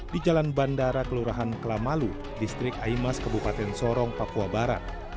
di jalan bandara kelurahan kelamalu distrik aimas kabupaten sorong papua barat